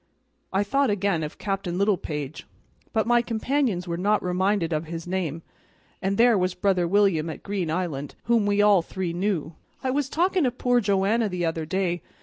I thought again of Captain Littlepage, but my companions were not reminded of his name; and there was brother William at Green Island, whom we all three knew. "I was talking o' poor Joanna the other day.